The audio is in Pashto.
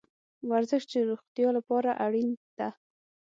ورزش د روغتیا لپاره اړین ده